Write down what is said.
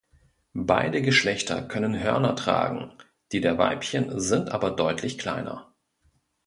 Beide Geschlechter können Hörner tragen, die der Weibchen sind aber deutlich kleiner.